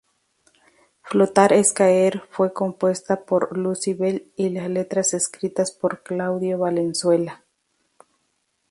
Flotar es caer fue compuesta por Lucybell, y las letras escritas por Claudio Valenzuela.